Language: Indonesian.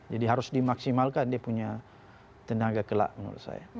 jadi harus dimaksimalkan dia punya tenaga kelak menurut saya